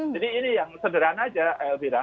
jadi ini yang sederhana saja elvira